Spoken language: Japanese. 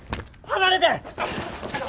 離れて！